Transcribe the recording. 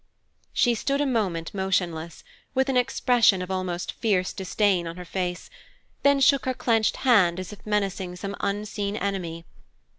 She stood a moment motionless, with an expression of almost fierce disdain on her face, then shook her clenched hand as if menacing some unseen enemy.